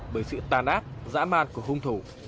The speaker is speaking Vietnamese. bởi sự tàn áp dã man của hung thủ